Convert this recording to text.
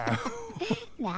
何？